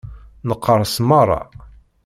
Neqqerṣ meṛṛa.